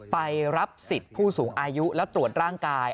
ไปรับสิทธิ์ผู้สูงอายุและตรวจร่างกาย